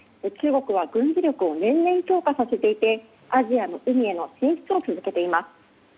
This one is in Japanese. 中国は軍事力を年々強化させていてアジアの海への進出を続けています。